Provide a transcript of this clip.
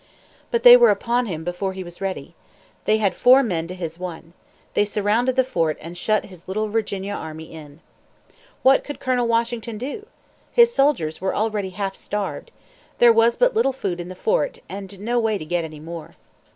But they were upon him before he was ready. They had four men to his one. They surrounded the fort and shut his little Virginian army in. What could Colonel Washington do? His soldiers were already half starved. There was but little food in the fort, and no way to get any more.